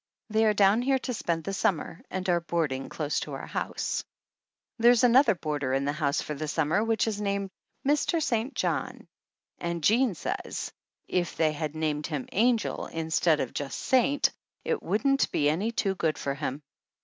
They are down here to spend the summer and are boarding close to our house. There is another boarder in the house for the summer which is named Mr. St. John, and Jean says if they had named him Angel instead of just Saint it wouldn't be any too good for him.